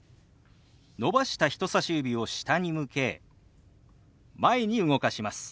伸ばした人さし指を下に向け前に動かします。